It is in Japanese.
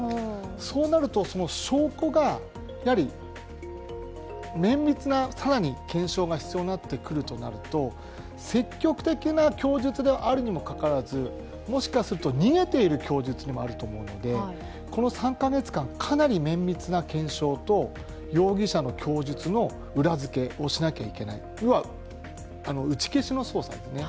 そうなると証拠が、綿密な更に検証が必要になってくるとなると積極的な供述であるにもかかわらず、もしかすると逃げている供述にもなると思うのでこの３カ月間、かなり綿密な検証と容疑者の供述の裏づけをしなきゃいけない、打ち消しの捜査ですね。